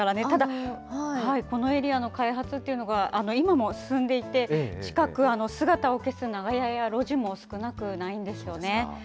ただ、このエリアの開発っていうのが、今も進んでいて、近く、姿を消す長屋や路地も少なくないんですよね。